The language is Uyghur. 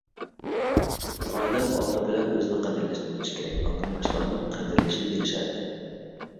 ئادەم ئالدى بىلەن ئۆزىنى قەدىرلەشنى بىلىشى كېرەك، ئاندىن باشقىلارنىڭ قەدىرلىشىگە ئېرىشەلەيدۇ.